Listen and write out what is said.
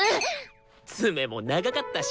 爪も長かったし。